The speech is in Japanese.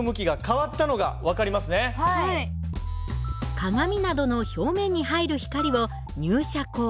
鏡などの表面に入る光を入射光。